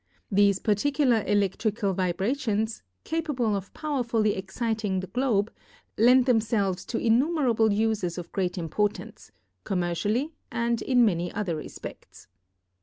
These particular electrical vibra tions, capable of powerfully exciting the Globe, lend themselves to innumerable uses of great im portance commercially and in many other respects.